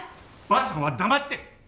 ばあさんは黙って！